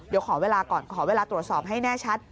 เดี๋ยวขอเวลาตรวจสอบให้แน่ชัด